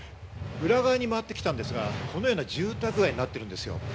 裏側に回ってきたんですが、このような住宅街になっているんですよ。